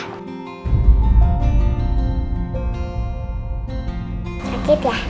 aku sakit ya